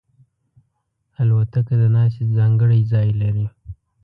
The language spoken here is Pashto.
الوتکه د ناستې ځانګړی ځای لري.